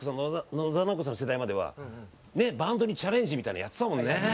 野沢直子さんの世代まではバンドにチャレンジみたいなのやってたもんね。